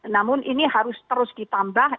namun ini harus terus ditambah